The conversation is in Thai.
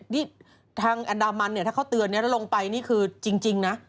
นี่ทางอันดามันเนี่ยถ้าเขาเตือนแล้วลงไปนี่คือจริงนะ